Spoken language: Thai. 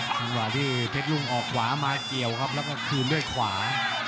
จังหวะที่เพชรรุ่งออกขวามาเกี่ยวครับแล้วก็คืนด้วยขวา